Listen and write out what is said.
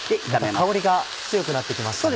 香りが強くなって来ましたね。